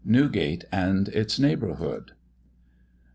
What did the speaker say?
Newgate and its Neighbourhood.